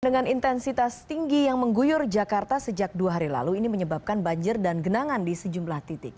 dengan intensitas tinggi yang mengguyur jakarta sejak dua hari lalu ini menyebabkan banjir dan genangan di sejumlah titik